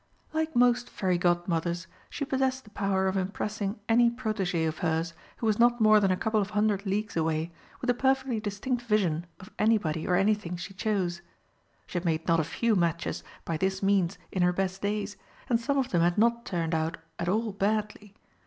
Like most Fairy Godmothers, she possessed the power of impressing any protégé of hers who was not more than a couple of hundred leagues away with a perfectly distinct vision of anybody or anything she chose. She had made not a few matches by this means in her best days, and some of them had not turned out at all badly.